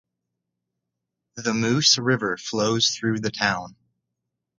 The Moose River flows through the town.